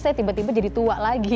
saya tiba tiba jadi tua lagi